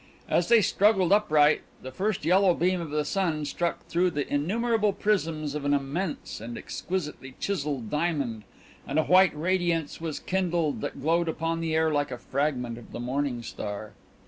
As they struggled upright, the first yellow beam of the sun struck through the innumerable prisms of an immense and exquisitely chiselled diamond and a white radiance was kindled that glowed upon the air like a fragment of the morning star.